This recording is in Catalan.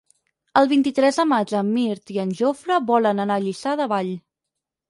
El vint-i-tres de maig en Mirt i en Jofre volen anar a Lliçà de Vall.